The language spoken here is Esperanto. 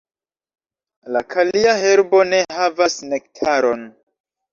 La kalia herbo ne havas nektaron.